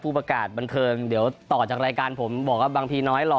ประกาศบันเทิงเดี๋ยวต่อจากรายการผมบอกว่าบางทีน้อยหล่อ